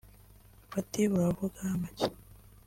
bati "Uravuga amaki